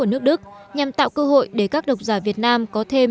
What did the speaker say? nước đức nhằm tạo cơ hội để các đọc giả việt nam có thêm